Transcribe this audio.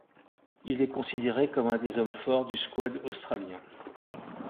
Il est considéré comme un des hommes forts du squad australien.